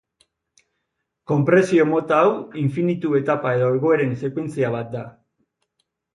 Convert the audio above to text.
Konpresio mota hau infinitu etapa edo egoeren sekuentzia bat da.